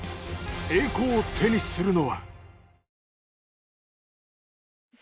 栄光を手にするのは？